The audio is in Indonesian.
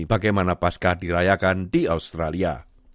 bagaimana paskah dirayakan di australia